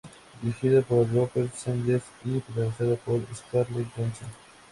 Dirigida por Rupert Sanders y protagonizada por Scarlett Johansson.